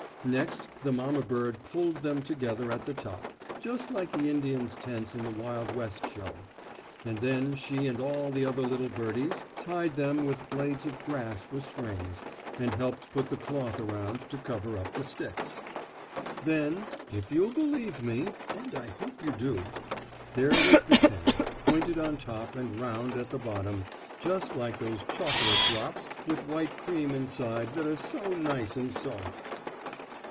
Next the mamma bird pulled them together at the top, just like the Indians' tents in the Wild West show, and then she and all the other little birdies tied them with blades of grass for strings, and helped put the cloth around to cover up the sticks. Then, if you'll believe me, and I hope you do, there was the tent, pointed on top and round at the bottom, just like those chocolate drops with white cream inside that are so nice and soft.